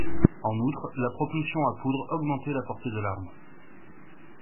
En outre, la propulsion à poudre augmentait la portée de l'arme.